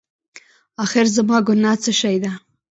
اخېر زما ګناه څه شی ده؟